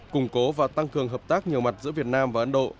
củng cố và tăng cường hợp tác nhiều mặt giữa việt nam và ấn độ